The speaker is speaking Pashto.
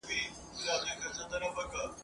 استاد وویل: ملالۍ يوه اتله وه.